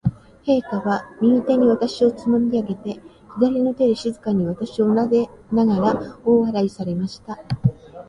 陛下は、右手に私をつまみ上げて、左の手で静かに私をなでながら、大笑いされました。